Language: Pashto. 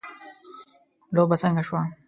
لوبه څنګه شوه .